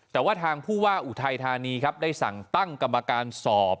แต่ว่าทางผู้ว่าอุทัยธานีครับได้สั่งตั้งกรรมการสอบ